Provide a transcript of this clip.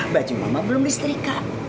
baju mama belum listrika